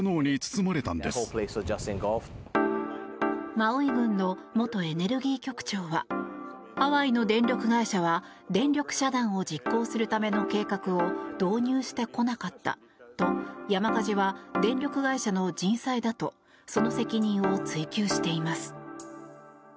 マウイ郡の元エネルギー局長はハワイの電力会社は電力遮断を実行するための計画を導入してこなかったと山火事は電力会社の人災だとその責任を追及しています。